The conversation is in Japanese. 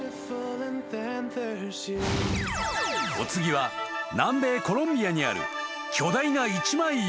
［お次は南米コロンビアにある巨大な一枚岩］